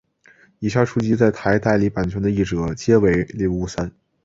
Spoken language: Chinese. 以下书籍在台代理版的译者皆为林武三。